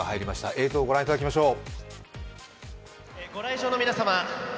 映像をご覧いただきましょう。